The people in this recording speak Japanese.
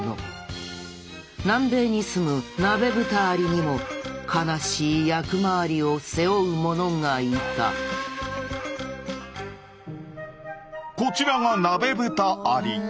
南米にすむナベブタアリにも悲しい役回りを背負うものがいたこちらがナベブタアリ。